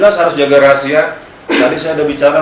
terima kasih ya tadi saya ada bicara